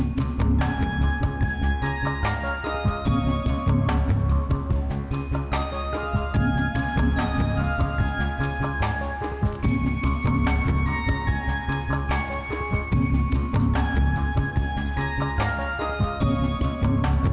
gak bisa buru buru